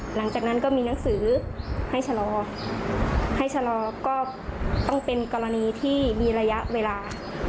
หลังจากนั้นก็มีหนังสือให้ชะลอให้ชะลอก็ต้องเป็นกรณีที่มีระยะเวลา